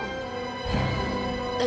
dan tolong jangan lakukan